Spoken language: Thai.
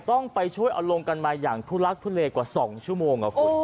ต้องไปช่วยเอาลงกันมาอย่างทุลักทุเลกว่า๒ชั่วโมงครับคุณ